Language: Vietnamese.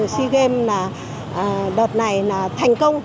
chỉ mong sea games đợt này thành công